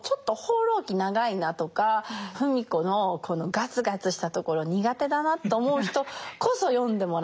長いなとか芙美子のこのガツガツしたところ苦手だなと思う人こそ読んでもらいたい。